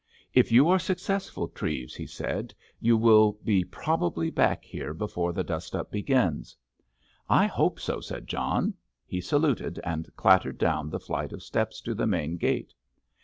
"If you are successful, Treves," he said, "you will be probably back here before the dust up begins." "I hope so," said John. He saluted and clattered down the flight of steps to the main gate.